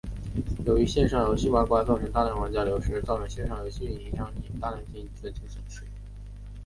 由于线上游戏外挂造成大量玩家流失而造成线上游戏营运商大量资金损失。